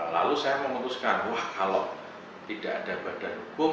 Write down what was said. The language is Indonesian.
lalu saya memutuskan wah kalau tidak ada badan hukum